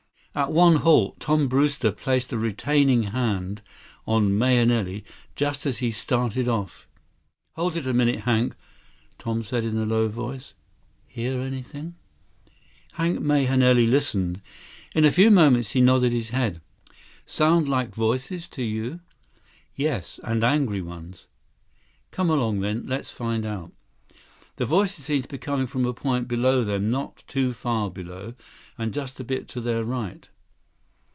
At one halt, Tom Brewster placed a retaining hand on Mahenili just as he started off. "Hold it a moment, Hank," Tom said in a low voice. "Hear anything?" Hank Mahenili listened. In a few moments, he nodded his head. "Sound like voices to you?" "Yes. And angry ones." "Come along then, let's find out." The voices seemed to be coming from a point below them, not too far below, and just a bit to their right.